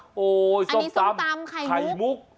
โอ้โฮส้มตำไข่มุกโอ้โฮส้มตำไข่มุก